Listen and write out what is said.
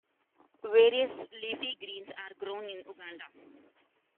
Various leafy greens are grown in Uganda.